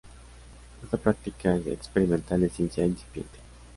Esta práctica es experimental, de ciencia incipiente.